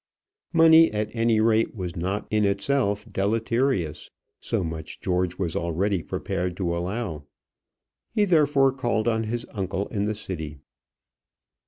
Money, at any rate, was not in itself deleterious. So much George was already prepared to allow. He therefore called on his uncle in the City.